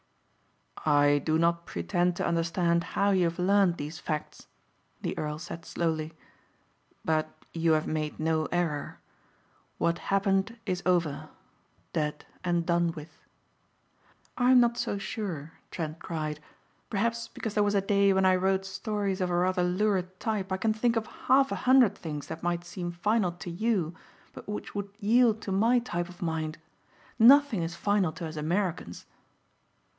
"I do not pretend to understand how you have learned these facts," the earl said slowly, "but you have made no error. What happened is over, dead and done with." "I'm not so sure," Trent cried. "Perhaps because there was a day when I wrote stories of a rather lurid type I can think of half a hundred things that might seem final to you but which would yield to my type of mind. Nothing is final to us Americans."